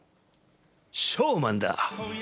ショーマンだ。